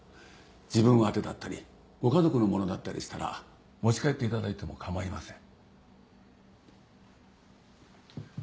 自分宛てだったりご家族のものだったりしたら持ち帰っていただいても構いません。